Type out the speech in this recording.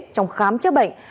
trong khám chữa bệnh